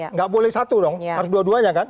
nggak boleh satu dong harus dua duanya kan